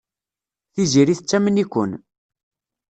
Tiziri tettamen-iken.